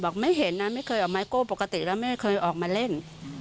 ไม่เห็นนะไม่เคยออกไม้โก้ปกติแล้วแม่เคยออกมาเล่น